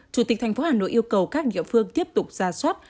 chủ tịch thành phố hà nội yêu cầu các địa phương tiếp tục ra soát